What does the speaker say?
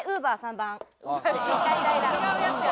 違うやつや。